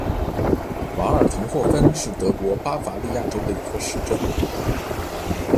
瓦尔滕霍芬是德国巴伐利亚州的一个市镇。